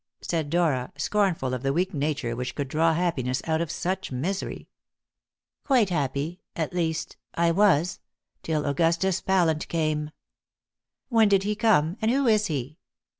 said Dora, scornful of the weak nature which could draw happiness out of such misery. "Quite happy at least, I was till Augustus Pallant came." "When did he come? and who is he?"